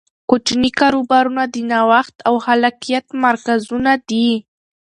کوچني کاروبارونه د نوښت او خلاقیت مرکزونه دي.